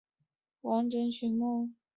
曲目部分皆为通常盘完整曲目。